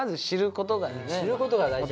知ることが大事だよ。